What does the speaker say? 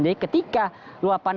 jadi ketika luar banjir ini